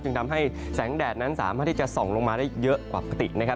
ทำให้แสงแดดนั้นสามารถที่จะส่องลงมาได้เยอะกว่าปกตินะครับ